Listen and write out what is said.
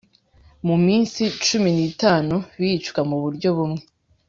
mu minsi cumi n itanu bicwa mu buryo bumwe